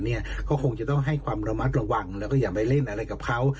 คงจะต้องให้ความระมัดระวังแล้วก็อย่าไปเล่นอะไรกับเขา